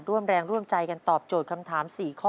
ร่วมแรงร่วมใจกันตอบโจทย์คำถาม๔ข้อ